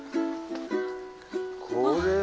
これは。